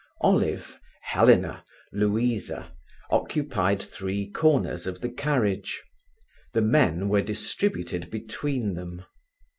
Olive, Helena, Louisa, occupied three corners of the carriage. The men were distributed between them.